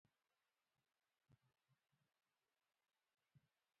پکتیا د افغانستان د اقتصادي ودې لپاره ارزښت لري.